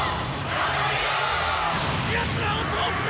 やつらを通すな！